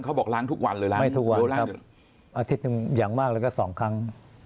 เขาบอกล้างทุกวันเลยล้างไม่ทั่วล้างอาทิตย์หนึ่งอย่างมากแล้วก็สองครั้ง